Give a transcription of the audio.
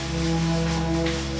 ma bapak ibu